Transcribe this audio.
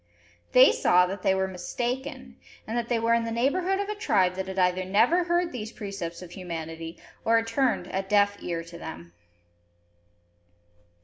They saw that they were mistaken; and that they were in the neighbourhood of a tribe that had either never heard these precepts of humanity, or had turned a deaf ear to them.